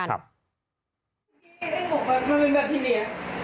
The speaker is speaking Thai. เองบอกว่ามันแบบธีเมีย